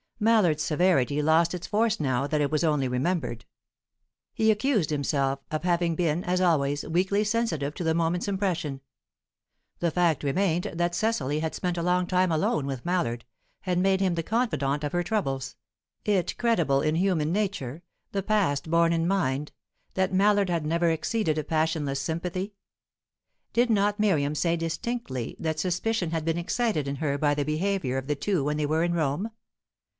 Mallard's severity lost its force now that it was only remembered. He accused himself of having been, as always, weakly sensitive to the moment's impression. The fact remained that Cecily had spent a long time alone with Mallard, had made him the confidant of her troubles; it credible in human nature the past borne in mind that Mallard had never exceeded a passionless sympathy? Did not Miriam say distinctly that suspicion had been excited in her by the behaviour of the two when they were in Rome?